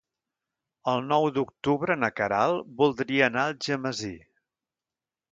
El nou d'octubre na Queralt voldria anar a Algemesí.